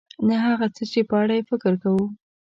نه هغه څه چې په اړه یې فکر کوو .